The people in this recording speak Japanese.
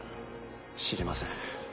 知りません。